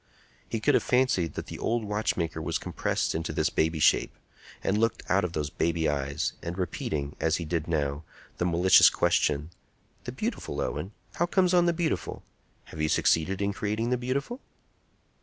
He could have fancied that the old watchmaker was compressed into this baby shape, and looking out of those baby eyes, and repeating, as he now did, the malicious question: "The beautiful, Owen! How comes on the beautiful? Have you succeeded in creating the beautiful?"